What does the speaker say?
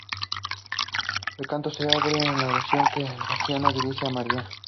El canto se abre con la oración que san Bernardo dirige a María.